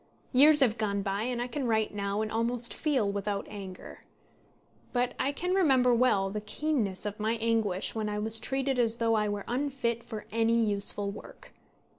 Years have gone by, and I can write now, and almost feel, without anger; but I can remember well the keenness of my anguish when I was treated as though I were unfit for any useful work.